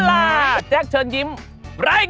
ไหนไหนไหนไหนไหน